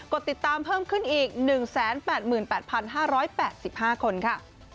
ดติดตามเพิ่มขึ้นอีก๑๘๘๕๘๕คนค่ะ